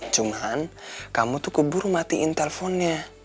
cuman kamu tuh keburu matiin telponnya